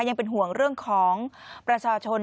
ยังเป็นห่วงเรื่องของประชาชน